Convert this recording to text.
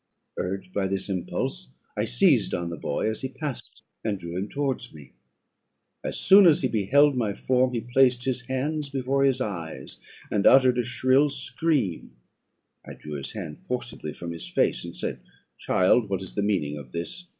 "Urged by this impulse, I seized on the boy as he passed, and drew him towards me. As soon as he beheld my form, he placed his hands before his eyes, and uttered a shrill scream: I drew his hand forcibly from his face, and said, 'Child, what is the meaning of this?